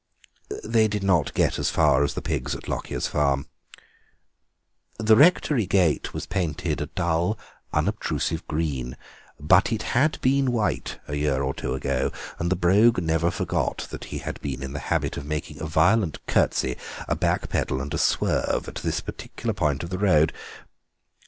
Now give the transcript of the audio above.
They did not get as far as the pigs at Lockyer's farm; the rectory gate was painted a dull unobtrusive green, but it had been white a year or two ago, and the Brogue never forgot that he had been in the habit of making a violent curtsey, a back pedal and a swerve at this particular point of the road.